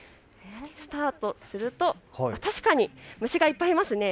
スタートすると、確かに虫がいっぱいいますね。